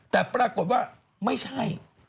แต่ปรากฏว่าไม่ใช่